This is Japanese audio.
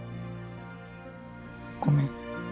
ごめん。